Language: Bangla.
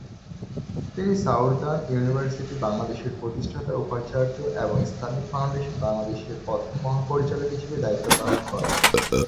তিনি সাউদার্ন ইউনিভার্সিটি বাংলাদেশের প্রতিষ্ঠাতা উপাচার্য এবং ইসলামিক ফাউন্ডেশন বাংলাদেশের প্রথম মহাপরিচালক হিসেবে দায়িত্ব পালন করেন।